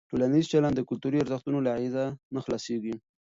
ټولنیز چلند د کلتوري ارزښتونو له اغېزه نه خلاصېږي.